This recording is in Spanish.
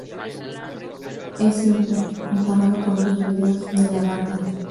Es simple comparado con otros videos de la banda.